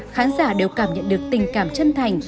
khán giả đều cảm nhận được tình cảm chân thành